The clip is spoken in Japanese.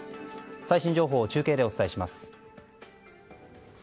最新情報を中継でお伝えします。